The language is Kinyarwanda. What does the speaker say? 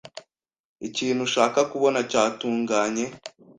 ikintu ushaka kubona cyatunganye